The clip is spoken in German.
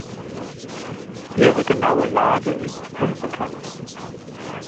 Ihre genaue Lage ist unbekannt.